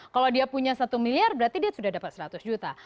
kalau dia punya satu miliar berarti dia sudah dapat seratus juta